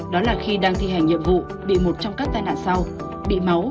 đó là khi đang thi hành nhiệm vụ bị một trong các tai nạn sau bị máu